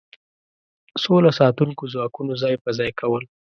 سوله ساتونکو ځواکونو ځای په ځای کول.